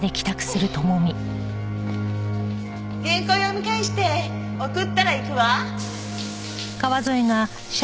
原稿を読み返して送ったら行くわ。